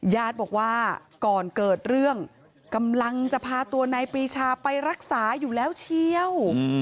ญาติบอกว่าก่อนเกิดเรื่องกำลังจะพาตัวนายปรีชาไปรักษาอยู่แล้วเชียว